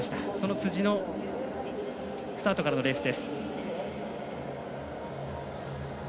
辻のスタートからのレースです。